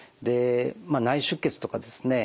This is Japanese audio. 内出血とかですね